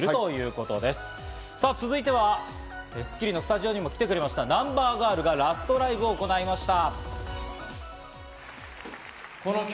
続いては『スッキリ』のスタジオにも来てくれました、ＮＵＭＢＥＲＧＩＲＬがラストライブを行いました。